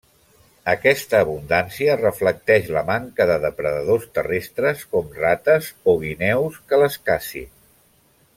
Aquesta abundància reflecteix la manca de depredadors terrestres, com rates o guineus, que les cacin.